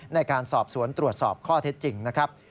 ในการสอบสวนตรวจสอบข้อเท็จจริงนะครับ